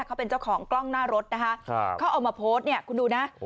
เขาเป็นเจ้าของกล้องหน้ารถนะคะเขาเอามาโพสต์เนี่ยคุณดูนะ